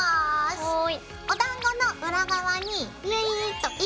はい。